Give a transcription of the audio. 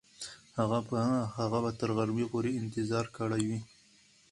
هغه به تر غرمې پورې انتظار کړی وي.